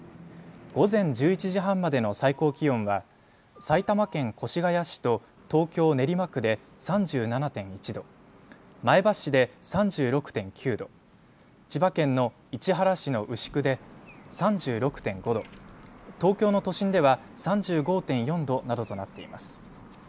午前１１時半までの最高気温は埼玉県越谷市と東京練馬区で３７．１度、前橋市で３６．９度、千葉県の市原市の牛久で３６．５度、東京の都心では３５．４度などとなっています。